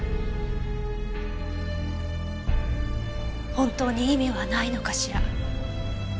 本当に意味はないのかしら。